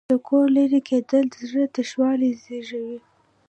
د کوره لرې کېدل د زړه تشوالی زېږوي.